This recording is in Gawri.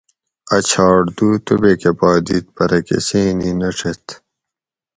ا چھاٹ دو توبیکہ پا دیت پرہ کۤسینی نہ ڛیت